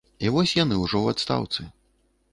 І вось яны ўжо ў адстаўцы.